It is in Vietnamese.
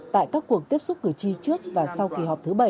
tại các cuộc tiếp xúc cử tri trước và sau kỳ họp thứ bảy